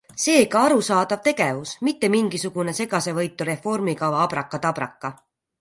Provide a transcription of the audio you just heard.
Seega arusaadav tegevus, mitte mingisugune segasevõitu reformikava abraka-tabraka.